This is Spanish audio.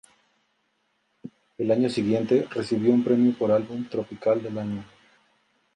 El año siguiente, recibió un premio por Álbum tropical del año.